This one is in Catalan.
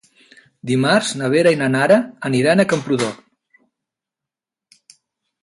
Dimarts na Vera i na Nara aniran a Camprodon.